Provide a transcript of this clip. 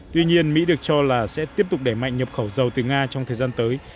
tuy nhiên mỹ được cho là sẽ tiếp tục đẩy mạnh nhập khẩu dầu từ nga trong thời gian tới